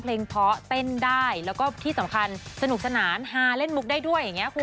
เพาะเต้นได้แล้วก็ที่สำคัญสนุกสนานฮาเล่นมุกได้ด้วยอย่างนี้คุณ